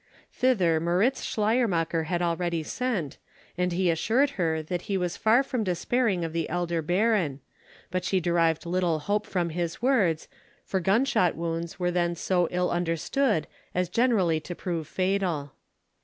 Thither Moritz Schleiermacher had already sent, and he assured her that he was far from despairing of the elder baron, but she derived little hope from his words, for gunshot wounds were then so ill understood as generally to prove fatal.